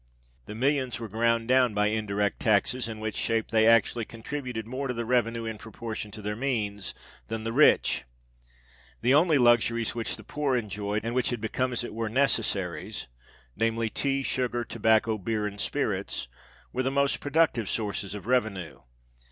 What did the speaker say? The millions were ground down by indirect taxes, in which shape they actually contributed more to the revenue, in proportion to their means, than the rich. The only luxuries which the poor enjoyed, and which had become as it were necessaries,—namely, tea, sugar, tobacco, beer, and spirits,—were the most productive sources of revenue.